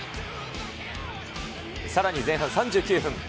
さらに前半３９分。